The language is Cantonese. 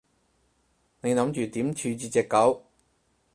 你諗住點處置隻狗？